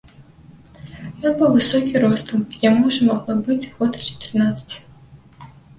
Ён быў высокі ростам, яму ўжо магло быць год чатырнаццаць.